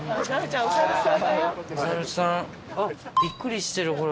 びっくりしてるほら。